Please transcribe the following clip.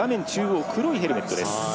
黒いヘルメットです。